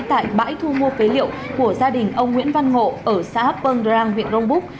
tại bãi thu mua phế liệu của gia đình ông nguyễn văn ngộ ở xã hà phương rang huyện grongbuk